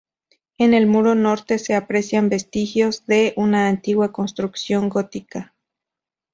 En el muro norte se aprecian vestigios de una antigua construcción gótica.